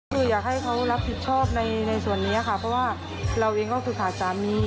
คืออยากให้เขารับผิดชอบในส่วนนี้ค่ะเพราะว่าเราเองก็คือขาดสามี